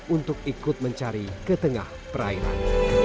untuk ikut mencari ketengah perairan